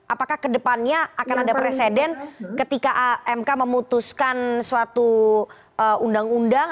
apakah kedepannya akan ada presiden ketika mk memutuskan suatu undang undang